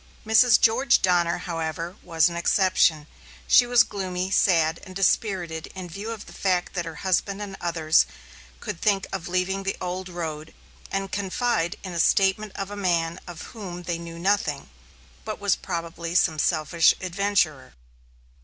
Mrs. George Donner, however, was an exception. She was gloomy, sad, and dispirited in view of the fact that her husband and others could think of leaving the old road, and confide in the statement of a man of whom they knew nothing, but was probably some selfish adventurer.